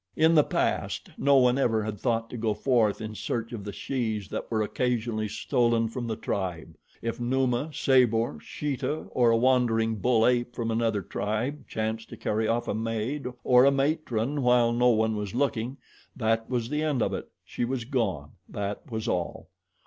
In the past no one ever had thought to go forth in search of the shes that were occasionally stolen from the tribe. If Numa, Sabor, Sheeta or a wandering bull ape from another tribe chanced to carry off a maid or a matron while no one was looking, that was the end of it she was gone, that was all.